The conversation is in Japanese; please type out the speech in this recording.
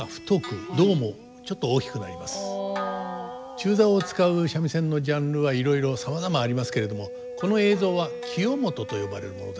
中棹を使う三味線のジャンルはいろいろさまざまありますけれどもこの映像は清元と呼ばれるものです。